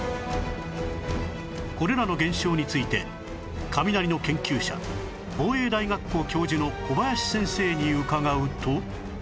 これらの現象について雷の研究者防衛大学校教授の小林先生に伺うと